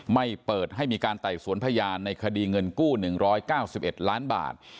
เปิดให้มีการไต่สวนพยานในคดีเงินกู้๑๙๑ล้านบาท